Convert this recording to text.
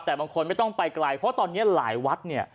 แต่บางคนไม่ต้องไปไกลเพราะตอนนี้หลายวัดเนี่ย